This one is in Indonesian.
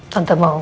tante mau ngapain